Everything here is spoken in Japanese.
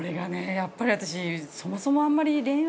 やっぱり私そもそもあんまり恋愛。